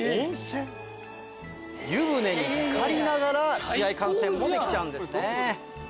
湯船に漬かりながら試合観戦もできちゃうんです。